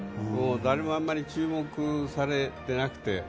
誰もあまり注目されてなくて。